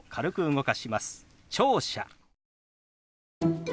「聴者」。